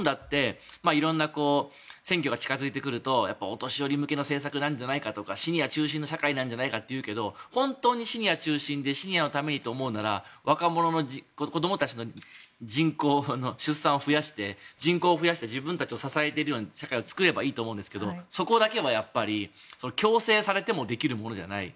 いろんな選挙が近づいてくるとお年寄り向けの政策なんじゃないかとかシニア中心の社会なんじゃないかというけど本当にシニア中心でシニアのためにと思うなら子供たちの出産を増やして人口を増やして自分たちを支えるような社会を作ればいいと思うんですけどそこだけは強制されてもできるものじゃない。